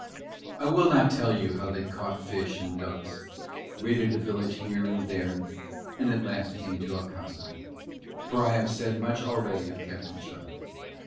I will not tell you how they caught fish and ducks, raided a village here and there and at last came to Akassa, for I have said much already of Captain Shard.